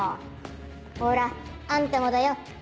ほらあんたもだよ。